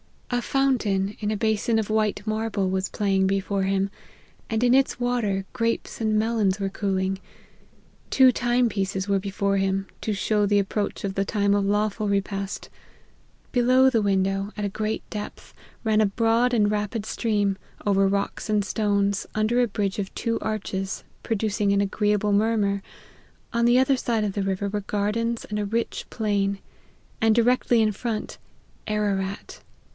A fountain, in a basin of white marble, was playing before him, and in its water grapes and melons were cooling ; two time pieces were before him, to show the approach of the time of lawful repast : below the window, at a great depth, ran a broad and rapid stream, over rocks and stones, under a bridge of two arches, producing an agreeable murmur : on the other side of the river were gardens, and a rich plain ; and directly in front, Ararat.